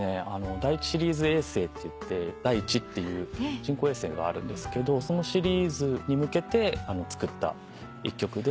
「だいち」シリーズ衛星といって「だいち」っていう人工衛星があるんですけどそのシリーズに向けて作った１曲で。